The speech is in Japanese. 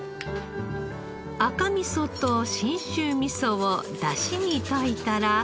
赤味噌と信州味噌をだしに溶いたら。